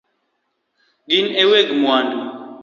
Gin e weg mwandu